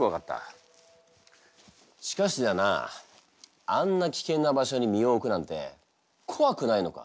しかしだなあんな危険な場所に身を置くなんて怖くないのか？